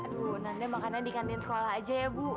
aduh nanda makannya di kandiin sekolah aja ya bu